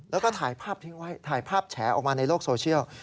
แล้วก็ถ่ายภาพแฉอออกมาในโลกโซเชียล